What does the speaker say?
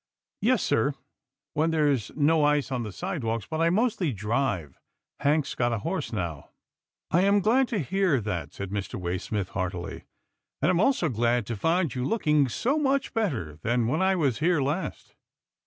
" Yes, sir, when there's no ice on the sidewalks, but I mostly drive. Hank's got a horse now." " I am glad to hear that," said Mr. Waysmith heartily, " and I am also glad to find you looking so much better than when I was here last."